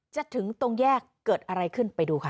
ถึงตรงแยกเกิดอะไรขึ้นไปดูค่ะ